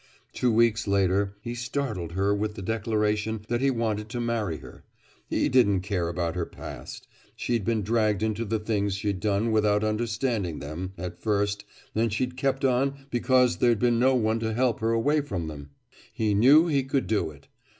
Two weeks later he startled her with the declaration that he wanted to marry her. He didn't care about her past. She'd been dragged into the things she'd done without understanding them, at first, and she'd kept on because there'd been no one to help her away from them. He knew he could do it.